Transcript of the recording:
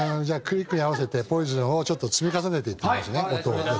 じゃあクリックに合わせて『ＰＯＩＳＯＮ』をちょっと積み重ねていってみますね音を。